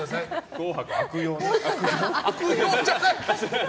「紅白」悪用ね。